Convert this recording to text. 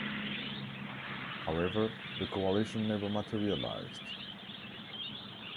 However the coalition never materialised.